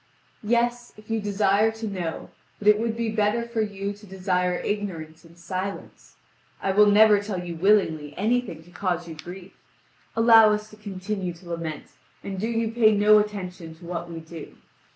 "Yes, if you desire to know, but it would be better for you to desire ignorance and silence. I will never tell you willingly anything to cause you grief. Allow us to continue to lament, and do you pay no attention to what we do!"